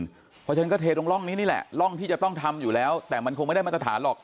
เพราะฉะนั้นก็เทตรงร่องนี้นี่แหละร่องที่จะต้องทำอยู่แล้วแต่มันคงไม่ได้มาตรฐานหรอก